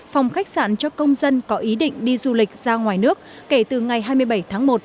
phòng khách sạn cho công dân có ý định đi du lịch ra ngoài nước kể từ ngày hai mươi bảy tháng một